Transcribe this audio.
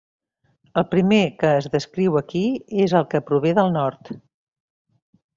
El primer que es descriu aquí és el que prové del nord.